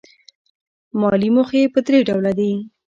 مالي موخې په درې ډوله دي.